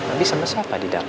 abi sama siapa di dalam